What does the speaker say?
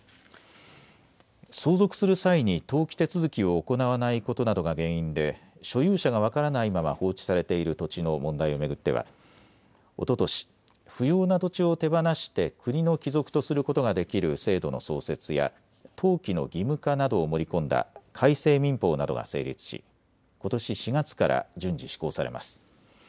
相続する際に登記手続きを行わないことなどが原因で所有者が分からないまま放置されている土地の問題を巡ってはおととし不要な土地を手放して国の帰属とすることができる制度の創設や登記の義務化などを盛り込んだ改正民法などが成立しことし４月から順次施行されます。